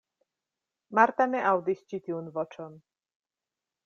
Marta ne aŭdis ĉi tiun voĉon.